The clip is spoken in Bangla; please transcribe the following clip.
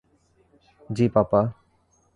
জি, পাপা।